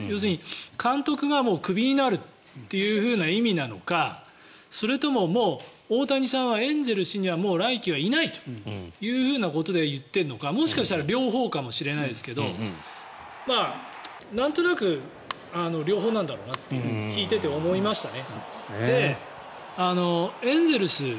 要するに監督がクビになるって意味なのかそれとも、もう大谷さんはエンゼルスには来季はいないということで言っているのかもしかしたら両方かもしれませんけどなんとなく両方なんだろうなって聞いてて思いましたね。